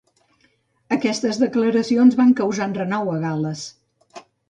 Aquestes declaracions van causar enrenou a Gal·les.